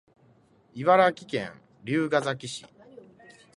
茨城県龍ケ崎市